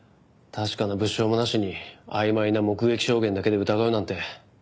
確かな物証もなしに曖昧な目撃証言だけで疑うなんて。